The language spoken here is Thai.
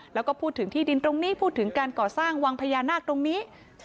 แล้วก็พูดถึงที่ดินตรงนี้พูดถึงการก่อสร้างวังพญานาคตรงนี้